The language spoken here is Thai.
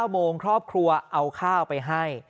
๙โมงครอบครัวเอาข้าวไปให้